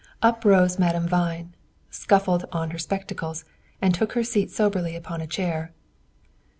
Up rose Madame Vine, scuffled on her spectacles, and took her seat soberly upon a chair.